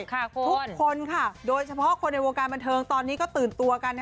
ทุกคนค่ะโดยเฉพาะคนในวงการบันเทิงตอนนี้ก็ตื่นตัวกัน